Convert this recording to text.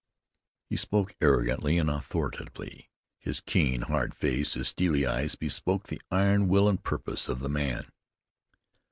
He spoke arrogantly and authoritatively. His keen, hard face, his steely eyes, bespoke the iron will and purpose of the man.